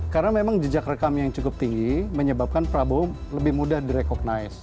karena memang jejak rekam yang cukup tinggi menyebabkan prabowo lebih mudah direkognize